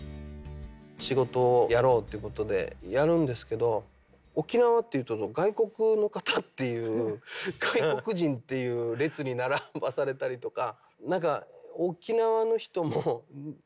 仕事をやろうっていうことでやるんですけど沖縄っていうと外国の方っていう外国人っていう列に並ばされたりとか。